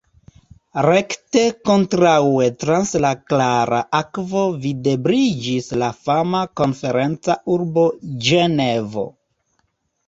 Rekte kontraŭe trans la klara akvo videbliĝis la fama konferenca urbo Ĝenevo.